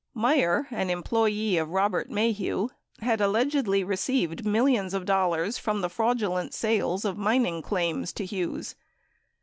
Meier, an employee of Rob ert Maheu, had allegedly received millions of dollars from the fraudu lent sales of mining claims to Hughes.